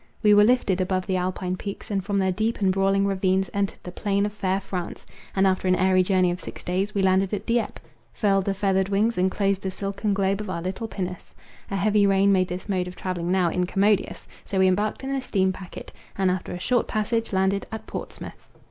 We were lifted above the Alpine peaks, and from their deep and brawling ravines entered the plain of fair France, and after an airy journey of six days, we landed at Dieppe, furled the feathered wings, and closed the silken globe of our little pinnace. A heavy rain made this mode of travelling now incommodious; so we embarked in a steam packet, and after a short passage landed at Portsmouth.